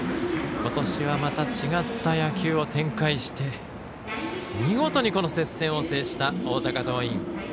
ことしはまた違った野球を展開して見事にこの接戦を制した大阪桐蔭。